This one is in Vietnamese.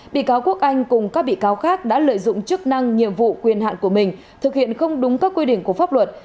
bị cáo quốc anh cùng các bị cáo khác đã lợi dụng chức năng nhiệm vụ quyền hạn của mình thực hiện không đúng các quy định của pháp luật